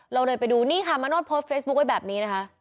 เราเลยไปดูนี่ค่ะมาโนธโพสต์เฟซบุ๊คไว้แบบนี้นะคะ